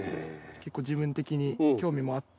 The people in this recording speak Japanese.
自分的に興味もあって。